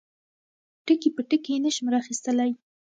ټکي په ټکي یې نشم را اخیستلای.